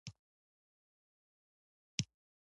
سهار د مثبت بدلون ټکي دي.